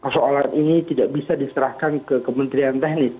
persoalan ini tidak bisa diserahkan ke kementerian teknis